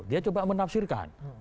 dia coba menafsirkan